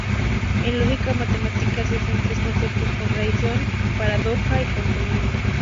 En lógica matemática se usan tres conceptos: "contradicción", "paradoja" y "antinomia".